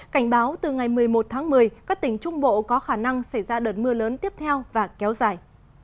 cảnh báo từ ngày một mươi một tháng một mươi các tỉnh trung bộ có khả năng xảy ra đợt mưa lớn tiếp theo và kéo dài